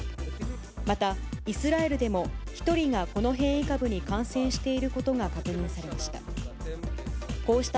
また、イスラエルでも、１人がこの変異株に感染していることが確認されました。